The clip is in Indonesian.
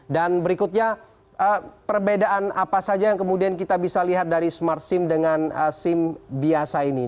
dan berikutnya perbedaan apa saja yang kemudian kita bisa lihat dari smart sim dengan sim biasa ini